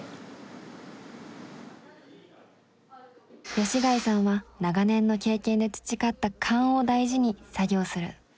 吉開さんは長年の経験で培った勘を大事に作業する。